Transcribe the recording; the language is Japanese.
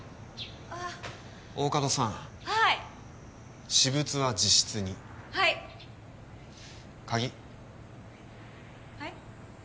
大加戸さんはい私物は自室にはい鍵はい？